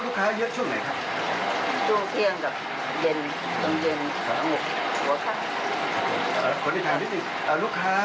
ลูกค้ามาถึงเค้านี่ยุมสั่งอะไรคะ